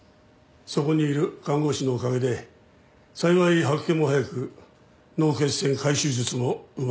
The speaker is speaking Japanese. そこにいる看護師のおかげで幸い発見も早く脳血栓回収術もうまくいきました。